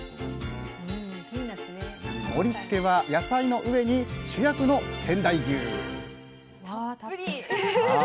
盛りつけは野菜の上に主役の仙台牛うわ！